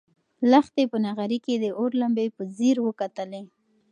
لښتې په نغري کې د اور لمبې په ځیر وکتلې.